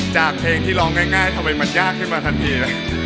จากเพลงที่ร้องง่ายทำไมมันยากขึ้นมาทันทีล่ะ